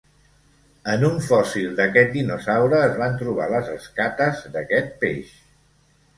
En un fòssil d'aquest dinosaure es van trobar les escates d'aquest peix.